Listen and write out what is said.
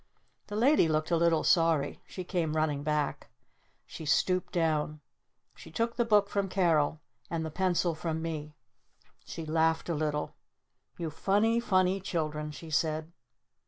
The Lady looked a little sorry. She came running back. She stooped down. She took the book from Carol. And the pencil from me. She laughed a little. "You funny funny children," she said.